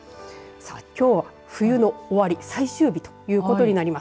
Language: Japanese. きょうは冬の終わり、最終日ということになります。